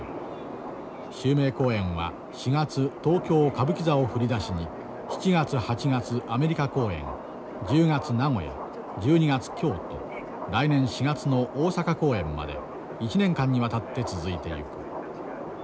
襲名公演は４月東京歌舞伎座を振り出しに７月８月アメリカ公演１０月名古屋１２月京都来年４月の大阪公演まで１年間にわたって続いていく。